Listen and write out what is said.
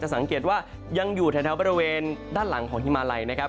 สังเกตว่ายังอยู่แถวบริเวณด้านหลังของฮิมาลัยนะครับ